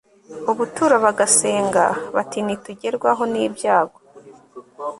ubuturo bagasenga bati Nitugerwaho nibyago